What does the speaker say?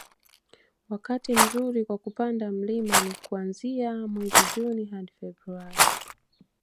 wakati mzuri kwa kupanda mlima ni kuanzia mwezi Juni hadi Februari